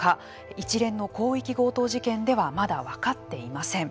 一連の広域強盗事件ではまだ分かっていません。